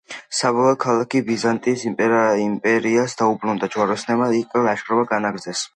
საბოლოოდ ქალაქი ბიზანტიის იმპერიას დაუბრუნდა, ჯვაროსნებმა კი ლაშქრობა განაგრძეს.